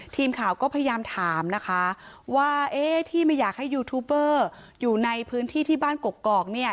ทีมข่าวก็พยายามถามนะคะว่าเอ๊ะที่ไม่อยากให้ยูทูบเบอร์อยู่ในพื้นที่ที่บ้านกกอกเนี่ย